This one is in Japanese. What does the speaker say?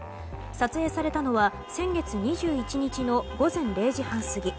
撮影されたのは先月２１日の午前０時半過ぎ。